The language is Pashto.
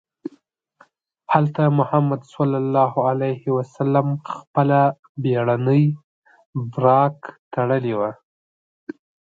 هلته محمد صلی الله علیه وسلم خپله بېړنۍ براق تړلې وه.